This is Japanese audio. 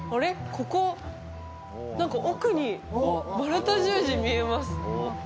ここ何か奥にマルタ十字見えます